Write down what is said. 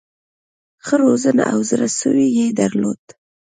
ښه روزنه او زړه سوی یې درلود.